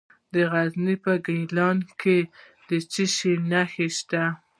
د غزني په ګیلان کې د څه شي نښې دي؟